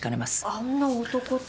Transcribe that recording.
あんな男って。